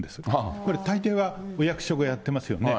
これ、たいていはお役所がやっていますよね。